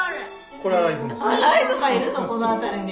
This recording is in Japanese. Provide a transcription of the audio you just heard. この辺りに。